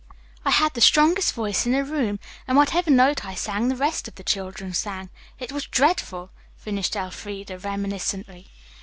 I had the strongest voice in the room and whatever note I sang the rest of the children sang. It was dreadful," finished Elfreda reminiscently.